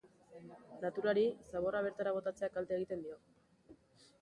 Naturari ,zaborra bertara botatzeak kalte egiten dio.